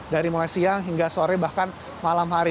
dari mulai siang hingga sore bahkan malam hari